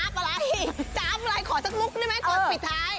อะไรจำอะไรขอสักมุกได้ไหมก่อนปิดท้าย